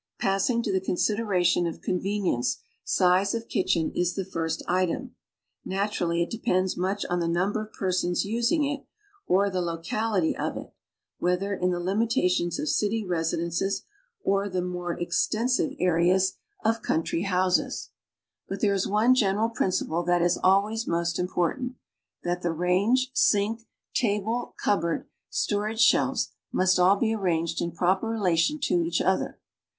Passing to the consideration of convenience, size of kitchen is the first item. Naturally it depends much on the number of persons using it, or the locality of it, whether in the limitations of city residences or the more extensive areas 13 LARGE KITCHEN. {Rigbt hand and lower walls as they appear on Plan B, page 15} of country houses. But there is one general principle that is always most important — that the range, sink, table, cupboard, storage shelves must all be arranged in proper relation to each other.